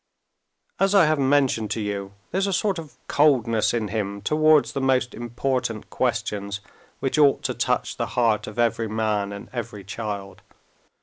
"As I have mentioned to you, there's a sort of coldness in him towards the most important questions which ought to touch the heart of every man and every child...."